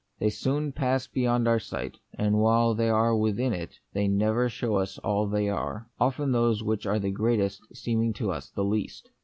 They soon pass beyond our sight, and while they are within it they never show us all they are, often those which are the greatest seeming to us the least.